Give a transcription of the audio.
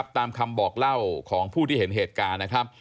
ตามคำบอกเล่าของผู้ที่เห็นเหตุการณ์นะครับ